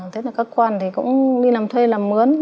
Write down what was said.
thế là các con thì cũng đi làm thuê làm mướn